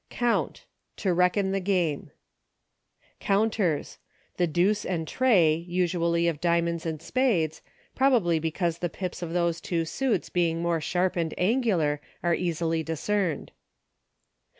Count. To reckon the game. Counters. The deuce and tray, usually of diamonds and spades, probably because the pips of those two suits being more sharp and angular are easily discerned.